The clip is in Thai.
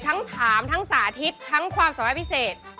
ทั้งถามทั้งสาธิตทั้งความสามารถพิเศษ